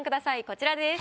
こちらです。